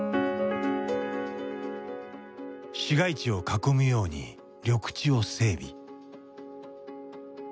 市街地を囲むように緑地を整備。